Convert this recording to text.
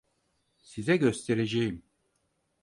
Size göstereceğim.